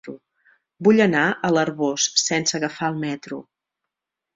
Vull anar a l'Arboç sense agafar el metro.